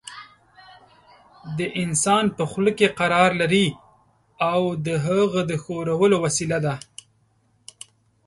د انسان په خوله کې قرار لري او د هغه د ښورولو وسیله ده.